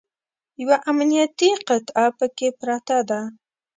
یوه امنیتي قطعه پکې پرته ده.